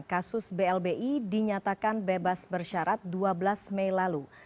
kasus blbi dinyatakan bebas bersyarat dua belas mei lalu